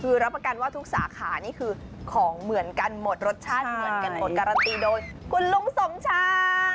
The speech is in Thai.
คือรับประกันว่าทุกสาขานี่คือของเหมือนกันหมดรสชาติเหมือนกันหมดการันตีโดยคุณลุงสมชา